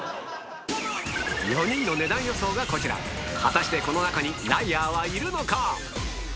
４人の値段予想がこちら果たしてこの中にライアーはいるのか？